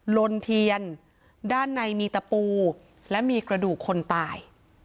ลนเทียนด้านในมีตะปูและมีกระดูกคนตาย